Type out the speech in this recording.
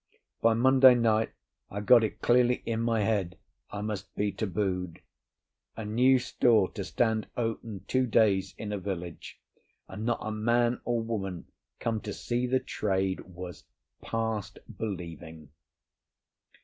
By Monday night I got it clearly in my head I must be tabooed. A new store to stand open two days in a village and not a man or woman come to see the trade was past believing.